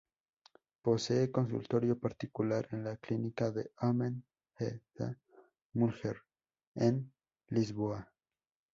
Posee consultorio particular en la ""Clínica do Homem e da Mulher"", en Lisboa.